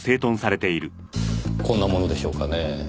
こんなものでしょうかねぇ。